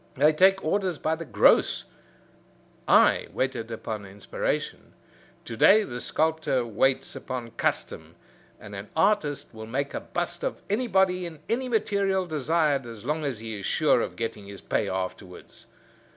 They take orders by the gross. I waited upon inspiration. To day the sculptor waits upon custom, and an artist will make a bust of anybody in any material desired as long as he is sure of getting his pay afterwards.